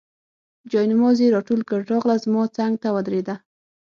جاینماز یې راټول کړ، راغله زما څنګ ته ودرېده.